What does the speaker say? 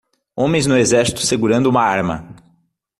Homens no exército segurando uma arma.